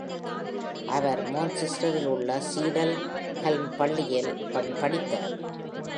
அவர் மான்செஸ்டரில் உள்ள Cheadle Hulme பள்ளியல் படித்தார்.